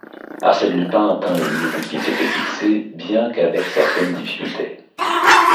Arsène Lupin atteint à nouveau le but qu'il s'était fixé, bien qu'avec certaines difficultés.